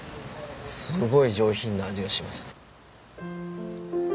すごい上品な味がしますね。